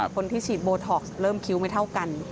คนที่ฉีดโบท็อกซ์เริ่มคิ้วไม่เท่ากัน